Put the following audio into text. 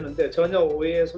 apa yang terjadi coach